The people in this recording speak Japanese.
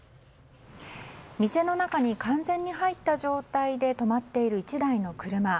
店の中に完全に入った状態で止まっている１台の車。